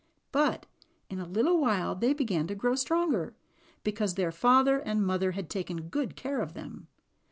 But in a little while they began to grow stronger, because their father and mother had taken good care of them.